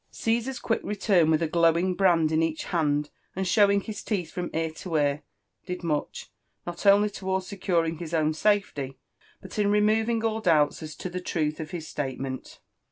Caesar's quick return, With a glowing brand in each hand, and showing his teeth from ear to ear, did much, not only towards securing his own safety, but in removing all doubts as to the truth of bis state ment.